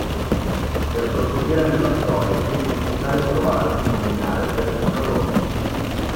Per proseguire nella storia è quindi necessario trovare e combinare oggetti fra loro.